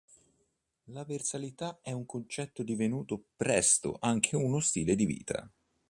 La versatilità è un concetto divenuto presto anche uno stile di vita.